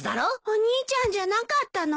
お兄ちゃんじゃなかったの？